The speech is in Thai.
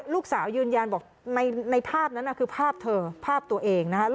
ยืนยันบอกในภาพนั้นคือภาพเธอภาพตัวเองนะคะ